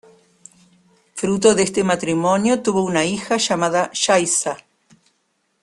Fruto de este matrimonio tuvo una hija llamada Yaiza.